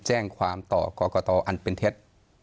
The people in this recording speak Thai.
แจ้งความต่อกรกตอันเป็นเท็จ